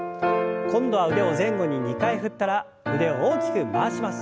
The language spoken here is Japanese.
今度は腕を前後に２回振ったら腕を大きく回します。